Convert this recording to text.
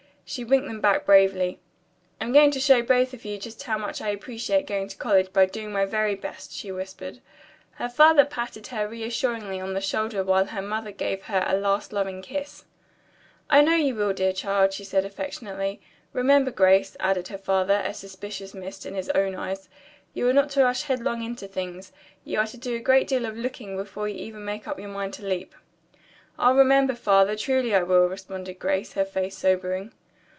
She winked them back bravely. "I'm going to show both of you just how much I appreciate going to college by doing my very best," she whispered. Her father patted her reassuringly on the shoulder while her mother gave her a last loving kiss. "I know you will, dear child," she said affectionately. "Remember, Grace," added her father, a suspicious mist in his own eyes, "you are not to rush headlong into things. You are to do a great deal of looking before you even make up your mind to leap." "I'll remember, Father. Truly I will," responded Grace, her face sobering.